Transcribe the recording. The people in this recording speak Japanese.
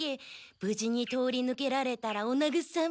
ぶじに通りぬけられたらおなぐさみ。